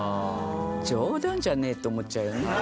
冗談じゃねえって思っちゃうよね。